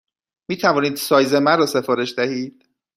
می توانید سایز مرا سفارش دهید؟